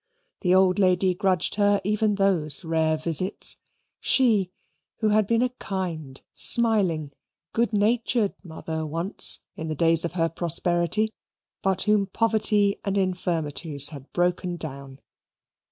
The old lady grudged her even those rare visits; she, who had been a kind, smiling, good natured mother once, in the days of her prosperity, but whom poverty and infirmities had broken down.